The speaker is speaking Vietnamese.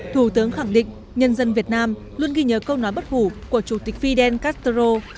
thủ tướng khẳng định nhân dân việt nam luôn ghi nhớ câu nói bất hủ của chủ tịch fidel castro